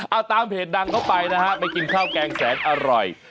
เอาตามเพจดังเข้าไปนะฮะไปกินข้าวแกงแสนอร่อย